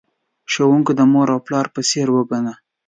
ښوونکی د مور او پلار په څیر وگڼه.